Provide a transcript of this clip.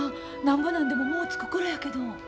なんぼなんでももう着く頃やけど。